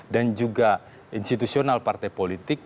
dan juga institusional partai politik